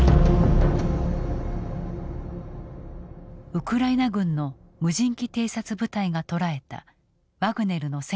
ウクライナ軍の無人機偵察部隊が捉えたワグネルの戦闘員の姿。